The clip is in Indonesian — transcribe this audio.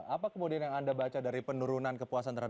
apa kemudian yang anda baca dari penurunan kepuasan terhadap